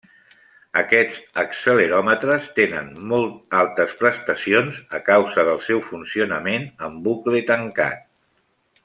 Aquests acceleròmetres tenen molt altes prestacions a causa del seu funcionament en bucle tancat.